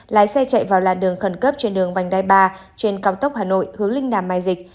lái xe chạy vào làn đường khẩn cấp trên đường vành đai ba trên cao tốc hà nội hướng linh đàm mai dịch